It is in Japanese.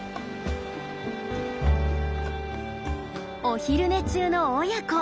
お昼寝中の親子。